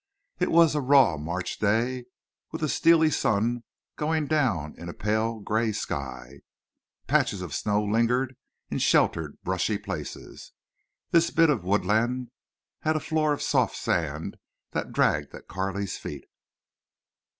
It was a raw March day, with a steely sun going down in a pale gray sky. Patches of snow lingered in sheltered brushy places. This bit of woodland had a floor of soft sand that dragged at Carley's feet.